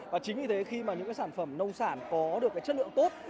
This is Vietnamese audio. và chính vì thế khi mà những sản phẩm nông sản có được chất lượng tốt